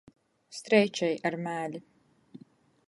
Streičej ar mēli.